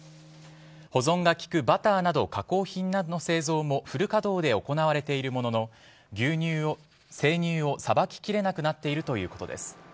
保存がきくバターなど加工品の製造もフル稼働で行われているものの生乳をさばききれなくなっているということです。